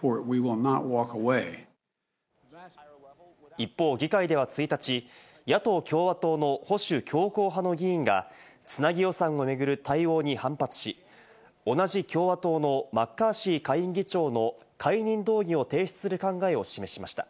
一方、議会では１日、野党・共和党の保守強硬派の議員がつなぎ予算を巡る対応に反発し、同じ共和党のマッカーシー下院議長の解任動議を提出する考えを示しました。